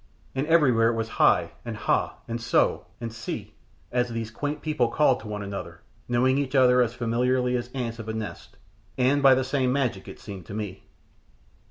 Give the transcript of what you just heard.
And everywhere it was "Hi," and "Ha," and "So," and "See," as these quaint people called to one another, knowing each other as familiarly as ants of a nest, and by the same magic it seemed to me.